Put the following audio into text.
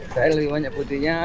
kayaknya lebih banyak putihnya